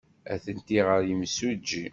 Atenti ɣer yimsujji.